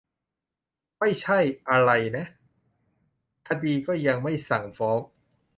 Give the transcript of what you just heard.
ไม่ใช่อะไรนะ คดีก็ยังไม่สั่งฟ้อง